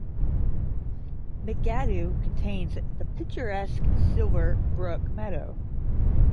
McAdoo contains the picturesque Silver Brook Meadow.